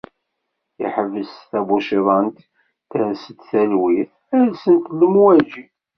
Iḥbes tabuciḍant, ters-d talwit, rsent lemwaǧi.